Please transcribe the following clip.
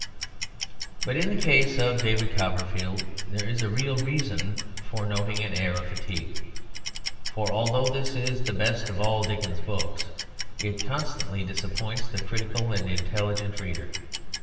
But in the case of David Copperfield there is a real reason for noting an air of fatigue. For although this is the best of all Dickens's books, it constantly disappoints the critical and intelligent reader.